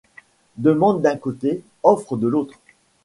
Demande d’un côté, offre de l’autre.